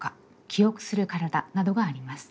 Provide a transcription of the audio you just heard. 「記憶する体」などがあります。